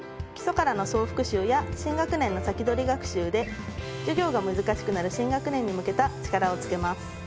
基礎からの総復習や新学年の先取り学習で授業が難しくなる新学年に向けた力をつけます。